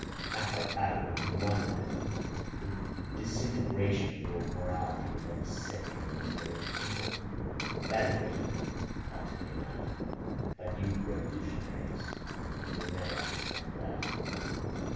Half our battle would be won then; the disintegration of the old morality would have set in in its very temple. That is what you ought to aim at. But you revolutionists will never understand that.